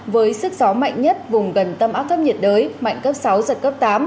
với sức gió mạnh nhất vùng gần tâm áp thấp nhiệt đới mạnh cấp sáu giật cấp tám